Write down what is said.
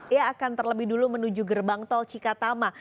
ia akan terlebih dulu menuju gerbang tol cikatama